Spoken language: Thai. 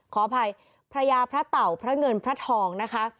ขออภัยพระยาพระเต่าพระเงินพระทองนะคะ